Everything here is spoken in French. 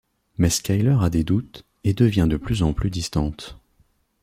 Mais Skyler a des doutes et devient de plus en plus distante.